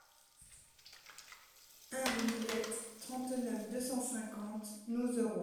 un rue Lillette, trente-neuf, deux cent cinquante, Nozeroy